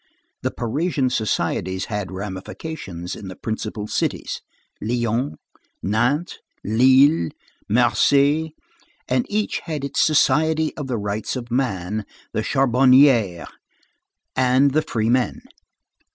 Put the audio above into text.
The Parisian societies had ramifications in the principal cities, Lyons, Nantes, Lille, Marseilles, and each had its Society of the Rights of Man, the Charbonnière, and The Free Men.